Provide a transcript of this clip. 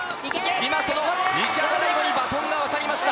今、その西畑大吾にバトンが渡りました。